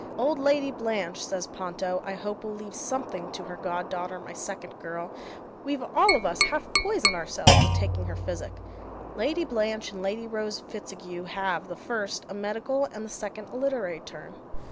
'Old Lady Blanche,' says Ponto, 'I hope will leave something to her god daughter my second girl we've all of us half poisoned ourselves with taking her physic.' Lady Blanche and Lady Rose Fitzague have, the first, a medical, and the second a literary turn.